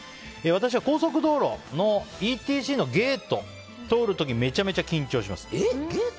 私は高速道路のＥＴＣのゲートを通る時めちゃめちゃ緊張します。